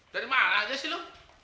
dari mana aja sih lo